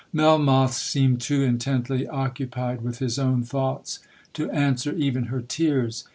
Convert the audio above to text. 'Melmoth seemed too intently occupied with his own thoughts to answer even her tears.